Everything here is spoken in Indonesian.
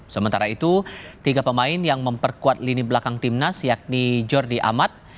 sementara itu tiga pemain yang memperkuat lini belakang timnas yakni jordi amat